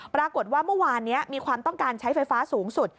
ปรากฏว่าเมื่อวานนี้มีความต้องการใช้ไฟฟ้าสูงสุด